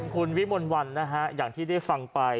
คุณวิมลวันนะฮะอย่างที่ได้ฟังไป